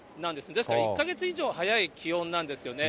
ですから１か月以上早い気温なんですよね。